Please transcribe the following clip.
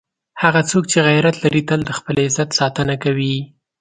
هغه څوک چې غیرت لري، تل د خپل عزت ساتنه کوي.